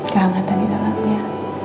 kehangatan di dalamnya